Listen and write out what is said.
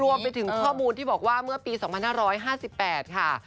รวมไปถึงข้อมูลที่บอกว่าเมื่อปี๒๕๕๘ค่ะ